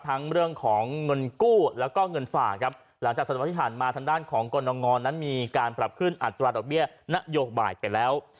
ทั้งเรื่องของเงินกู้แล้วก็เงินฝากครับหลังจากสัปดาห์ที่ผ่านมาทางด้านของกรณงนั้นมีการปรับขึ้นอัตราดอกเบี้ยนโยบายไปแล้ว